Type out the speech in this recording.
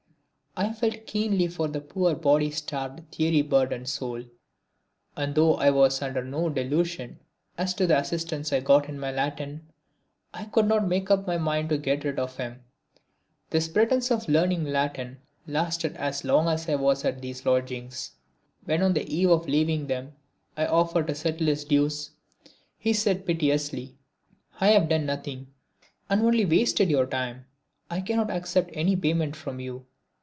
I felt keenly for the poor body starved theory burdened soul, and though I was under no delusion as to the assistance I got in my Latin, I could not make up my mind to get rid of him. This pretence of learning Latin lasted as long as I was at these lodgings. When on the eve of leaving them I offered to settle his dues he said piteously: "I have done nothing, and only wasted your time, I cannot accept any payment from you."